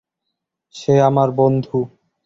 সে আমাদের বন্ধু।